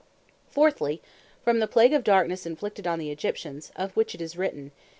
Utter Darknesse Fourthly, from the Plague of Darknesse inflicted on the Egyptians, of which it is written (Exod.